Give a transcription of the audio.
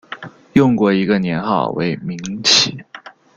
用过一个年号为明启。